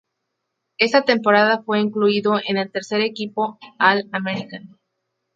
Esa temporada fue incluido en el tercer equipo All-American.